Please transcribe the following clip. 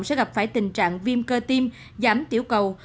sẽ gặp phải tình trạng viêm cơ tim giảm tiểu cầu